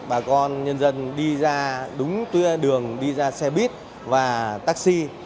bà con nhân dân đi ra đúng đường đi ra xe buýt và taxi